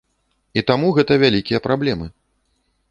І таму гэта вялікія праблемы.